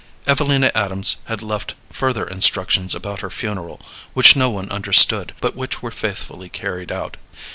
Evelina Adams had left further instructions about her funeral, which no one understood, but which were faithfully carried out.